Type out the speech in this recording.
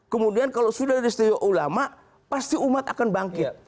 kemudian kalau sudah diistimewa ulama pasti umat akan bangkit